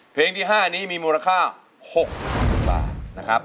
เพลงที่๕นี้มีมูลค่า๖๐๐๐บาทนะครับ